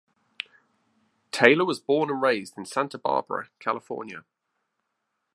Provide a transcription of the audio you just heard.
Taylor was born and raised in Santa Barbara, California.